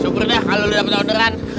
syukur deh kalo lu dapet orderan